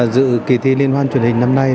dự kỳ thi liên hoan truyền hình năm nay